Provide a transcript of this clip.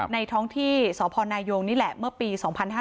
ท้องที่สพนายงนี่แหละเมื่อปี๒๕๕๙